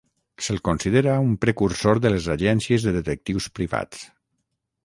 Se'l considera un precursor de les agències de detectius privats.